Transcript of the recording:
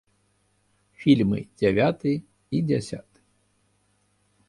Фільмы дзявяты і дзясяты.